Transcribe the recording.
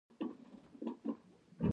افغانستان د ښارونو په اړه علمي څېړنې لري.